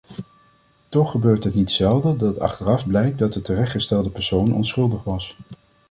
Toch gebeurt het niet zelden dat achteraf blijkt dat de terechtgestelde persoon onschuldig was.